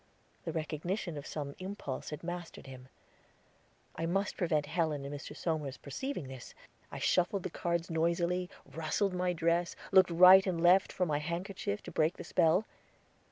The recognition of some impulse had mastered him. I must prevent Helen and Mr. Somers perceiving this! I shuffled the cards noisily, rustled my dress, looked right and left for my handkerchief to break the spell.